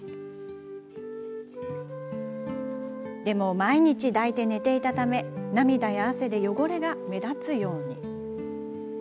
でも、毎日抱いて寝ていたため涙や汗で汚れが目立つように。